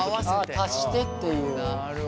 あ足してっていう。